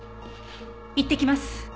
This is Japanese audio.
行ってきます。